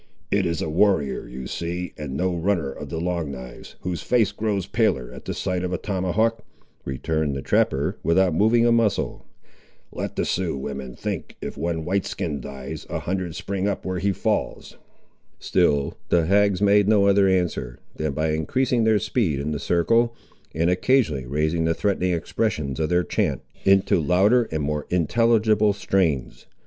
"It is a warrior you see, and no runner of the Long knives, whose face grows paler at the sight of a tomahawk," returned the trapper, without moving a muscle. "Let the Sioux women think; if one White skin dies, a hundred spring up where he falls." Still the hags made no other answer, than by increasing their speed in the circle, and occasionally raising the threatening expressions of their chant, into louder and more intelligible strains.